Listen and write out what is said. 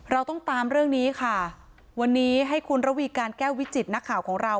เราต้องตามเรื่องนี้ค่ะวันนี้ให้คุณระวีการแก้ววิจิตรนักข่าวของเรา